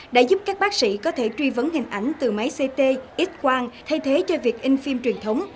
đã giúp các bác sĩ có thể truy vấn hình ảnh từ máy ct x quang thay thế cho việc in phim truyền thống